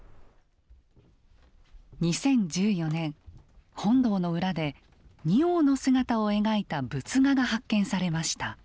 ２０１４年本堂の裏で仁王の姿を描いた仏画が発見されました。